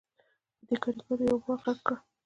په کارېګرو کې يوه ور غږ کړل: